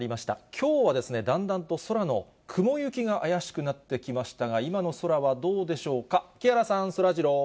きょうはですね、だんだんと空の雲行きが怪しくなってきましたが、今の空はどうでしょうか。